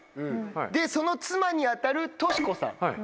でその妻に当たる壽子さん。